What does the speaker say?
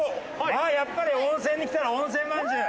まあやっぱり温泉に来たら温泉まんじゅう。